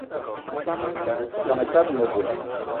Soan etaba ine veu?